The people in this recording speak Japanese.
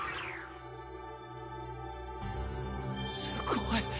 すごい。